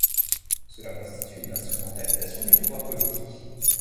Cela constitue une instrumentalisation du pouvoir politique.